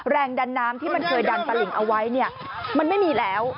แรงดันน้ำที่มันเคยดันตลิงเอาไว้เนี่ยมันไม่มีแล้ว